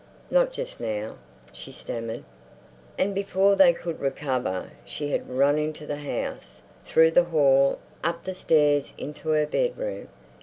Not just now," she stammered. And before they could recover she had run into the house, through the hall, up the stairs into her bedroom.